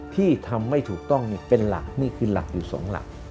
ที่ทำไม่ถูกต้องเป็นหลักนี่คือหลักอยู่๒หลัก